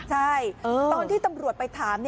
ใช่ตอนที่ตำรวจไปถาม